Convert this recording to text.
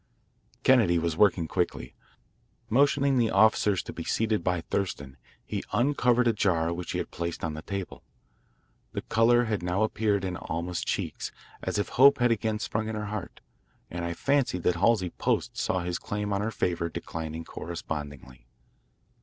Kennedy was working quickly. Motioning the officers to be seated by Thurston, he uncovered a jar which he had placed on the table. The colour had now appeared in Alma's cheeks, as if hope had again sprung in her heart, and I fancied that Halsey Post saw his claim on her favour declining correspondingly.